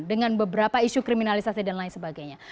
dengan beberapa isu kriminalisasi dan lain sebagainya